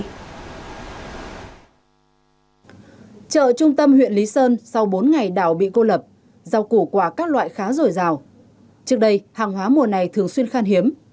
trong huyện lý sơn sau bốn ngày đảo bị cô lập rau củ quả các loại khá rổi rào trước đây hàng hóa mùa này thường xuyên khan hiếm